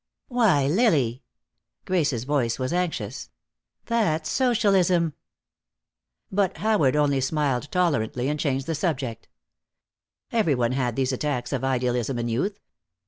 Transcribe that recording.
"Why, Lily!" Grace's voice was anxious. "That's Socialism." But Howard only smiled tolerantly, and changed the subject. Every one had these attacks of idealism in youth.